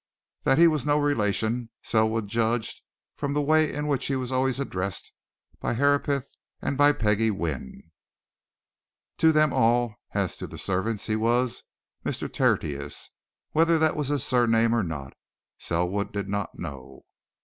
That he was no relation Selwood judged from the way in which he was always addressed by Herapath and by Peggie Wynne. To them as to all the servants he was Mr. Tertius whether that was his surname or not, Selwood did not know.